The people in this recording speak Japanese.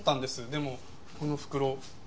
でもこの袋。